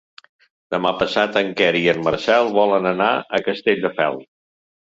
Demà passat en Quer i en Marcel volen anar a Castelldefels.